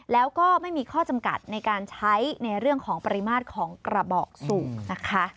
แล้วก็ไม่มีข้อจำกัดในการใช้ในเรื่องของปริมาตรของกระบอกสูงนะคะ